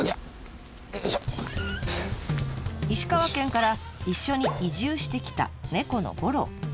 石川県から一緒に移住してきた猫のごろう。